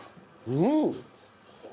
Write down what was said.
うん。